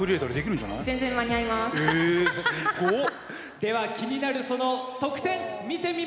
では気になるその得点見てみましょう。